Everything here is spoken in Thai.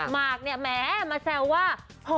มาคมแหมมาแซวว่า